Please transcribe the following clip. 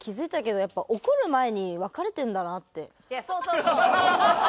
いやそうそうそう！